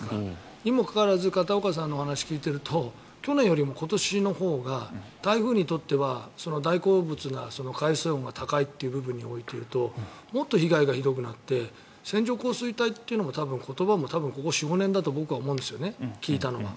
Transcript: にもかかわらず片岡さんのお話を聞いていると去年よりも今年のほうが台風にとっては大好物な海水温が高いという部分においていうともっと被害がひどくなって線状降水帯っていうのも多分、言葉もここ４５年だと思うんですよね、聞いたのは。